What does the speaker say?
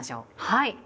はい。